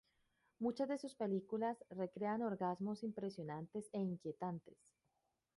Muchas de sus películas recrean orgasmos impresionantes e inquietantes.